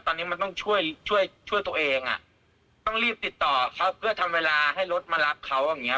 ตอนนี้มันต้องช่วยช่วยตัวเองอ่ะต้องรีบติดต่อเขาเพื่อทำเวลาให้รถมารับเขาอย่างเงี้